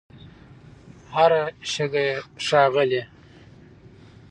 هر شګه یې ښاغلې